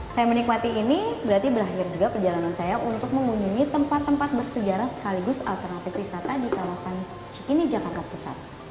saya menikmati ini berarti berakhir juga perjalanan saya untuk mengunjungi tempat tempat bersejarah sekaligus alternatif wisata di kawasan cikini jakarta pusat